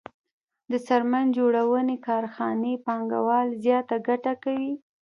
د څرمن جوړونې کارخانې پانګوال زیاته ګټه کوي